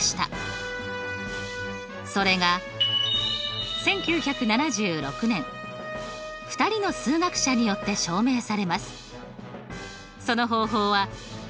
それが１９７６年２人の数学者によって証明されます。